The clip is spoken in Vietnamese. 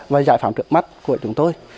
và giải pháp trước mắt của chúng tôi